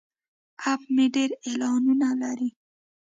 اپ مې ډیر اعلانونه لري.